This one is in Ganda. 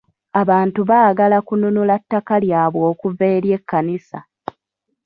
Abantu baagala kununula takka lyabwe okuva eri ekkanisa.